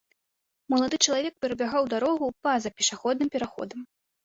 Малады чалавек перабягаў дарогу па-за пешаходным пераходам.